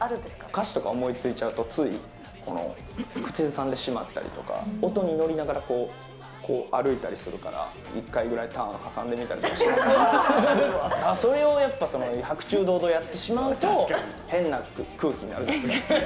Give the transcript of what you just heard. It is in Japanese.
歌詞とか思いついちゃうと、つい口ずさんでしまったりとか、音に乗りながらこう、歩いたりするから、１回ぐらいターン挟んでみたりとかするので、それをやっぱり、白昼堂々やってしまうと、変な空気になるじゃない。